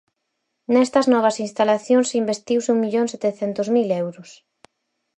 Nestas novas instalacións investiuse un millón setecentos mil euros.